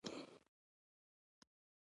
پیرودونکی د پیرود پر وخت مننه وکړه.